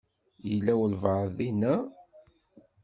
Yella walebɛaḍ dinna?